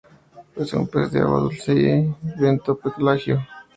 Es un pez de agua dulce y bentopelágico.